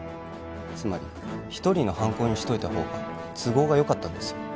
つまり一人の犯行にしといた方が都合がよかったんですよ